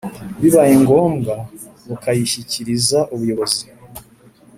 Bibaye ngombwa bukayishyikiriza ubuyobozi